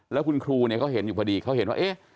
แล้วคุณครูเนี่ยเขาเห็นอยู่พอดีเขาเห็นว่าเอ๊ะ